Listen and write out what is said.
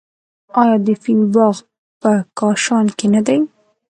آیا د فین باغ په کاشان کې نه دی؟